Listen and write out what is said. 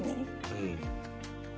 うん。